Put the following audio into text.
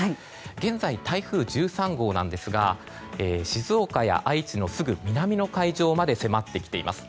現在、台風１３号ですが静岡や愛知のすぐ南の海上まで迫ってきています。